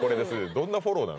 どんなフォローなん？